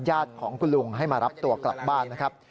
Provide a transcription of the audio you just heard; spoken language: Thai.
ญาติของคุณลุงให้มารับตัวกลับบ้านนะครับ